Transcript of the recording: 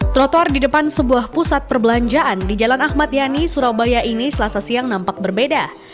trotoar di depan sebuah pusat perbelanjaan di jalan ahmad yani surabaya ini selasa siang nampak berbeda